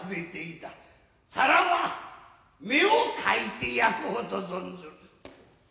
さらば目をかいて焼こうと存ずる。